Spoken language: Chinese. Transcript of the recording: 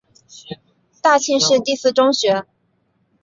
大庆市第四中学。